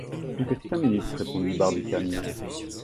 Plus que cinq minutes! répondit Barbicane.